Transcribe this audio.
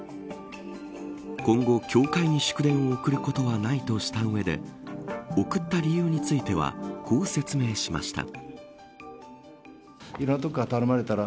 今後、教会に祝電を送ることはない、とした上で送った理由についてはこう説明しました。